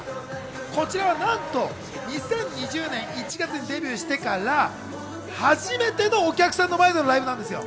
こちらはなんと２０２０年１月にデビューしてから初めてのお客さんの前でのライブなんですよ。